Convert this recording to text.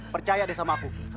percaya deh sama aku